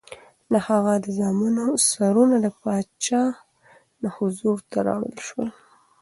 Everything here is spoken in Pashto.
د هغه د زامنو سرونه د پادشاه حضور ته راوړل شول.